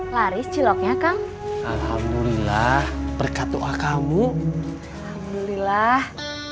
laris ciloknya kang alhamdulillah berkat doa kamu alhamdulillah